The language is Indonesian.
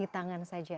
di tangan saja